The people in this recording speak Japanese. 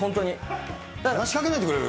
話かけないでくれる？